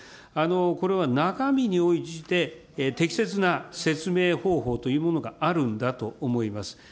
これは中身に応じて、適切な説明方法というものがあるんだと思います。